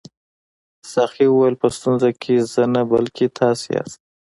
ساقي وویل په ستونزه کې زه نه بلکې تاسي یاست.